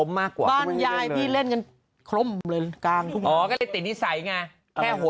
แต่เมื่อก่อนตอนเด็ก